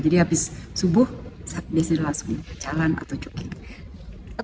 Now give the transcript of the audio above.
jadi habis subuh saya langsung jalan atau jogging